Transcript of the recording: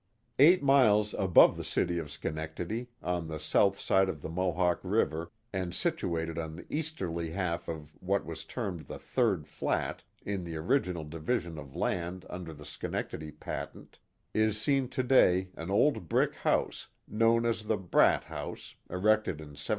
Eight miles above the city of Schenectady, on the south side of the Mohawk River and situated on the easterly half of what was termed the third flat in the original division of land under the Schenectady patent, is seen to day an old brick house known as the Bradt house, erected in 1736.